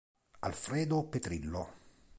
Alfredo Petrillo